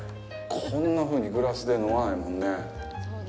こんなふうにグラスで飲まないもんね。